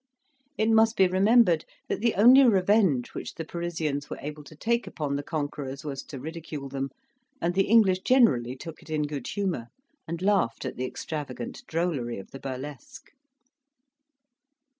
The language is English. It must be remembered that the only revenge which the Parisians were able to take upon the conquerors was to ridicule them; and the English generally took it in good humour, and laughed at the extravagant drollery of the burlesque.